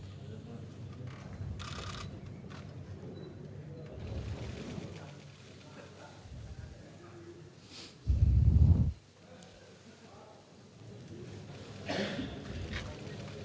untuk akan daftar dari tempat tersebut